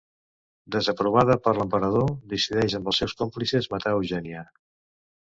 Desaprovada per l’Emperador, decideix amb els seus còmplices matar Eugènia.